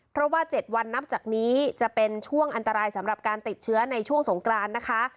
เพราะว่า๗วันนับจากนี้จะเป็นช่วงอันตรายสำหรับการติดเชื้อในช่วงสงกรานนะคะ